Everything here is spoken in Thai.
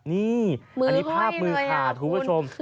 นี่อันนี้ภาพมือขาดคุณผู้ชม